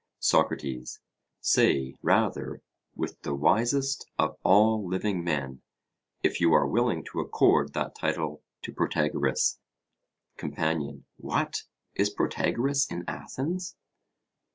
SOCRATES: Say rather, with the wisest of all living men, if you are willing to accord that title to Protagoras. COMPANION: What! Is Protagoras in Athens?